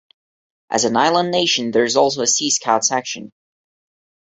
As an island nation, there is also a Sea Scout section.